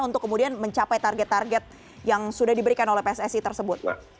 untuk kemudian mencapai target target yang sudah diberikan oleh pssi tersebut